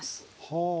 はあ。